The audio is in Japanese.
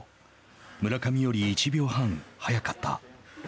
村上より１秒半速かった。